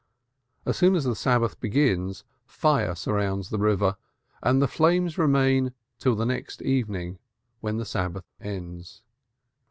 As soon as the Sabbath begins fire surrounds the river and the flames remain till the next evening, when the Sabbath ends.